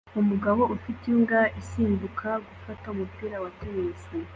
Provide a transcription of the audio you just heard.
Umugabo ufite imbwa isimbuka gufata umupira wa tennis